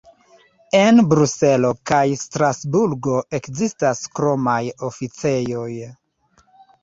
En Bruselo kaj Strasburgo ekzistas kromaj oficejoj.